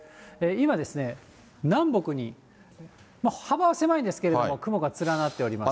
今、南北に幅は狭いんですけれども、雲が連なっております。